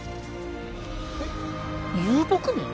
えっ遊牧民？